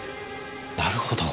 なるほど。